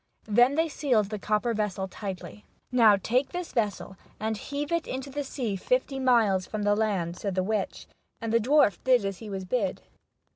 Then they sealed the copper vessel tightly. " Now take this vessel, and heave it into the sea fifty miles from the land," said the witch, and the dwarf did as he was bid.